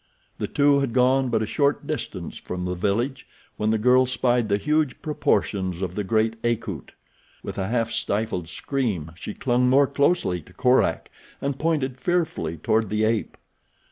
The two had gone but a short distance from the village when the girl spied the huge proportions of the great Akut. With a half stifled scream she clung more closely to Korak, and pointed fearfully toward the ape.